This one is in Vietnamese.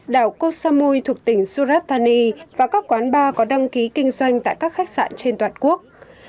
đảo kosamui thuộc tỉnh surat thani và các quán bar có đăng ký kinh doanh tại các khách sạn trên toàn quốc